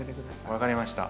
分かりました。